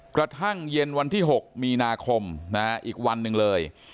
กระทั่งเย็นวันที่๖มีนาคมอีกวันหนึ่งเลย